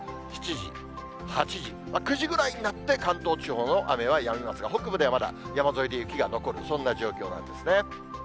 ７時、８時、９時ぐらいになって、関東地方の雨はやみますが、北部ではまだ山沿いで雪が残る、そんな状況なんですね。